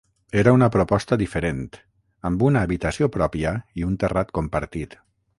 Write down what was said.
Era una proposta diferent, amb una habitació pròpia i un terrat compartit.